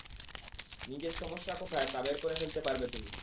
নিজের সমস্যা কোথায়, তা বের করে ফেলতে পারবে তুমি।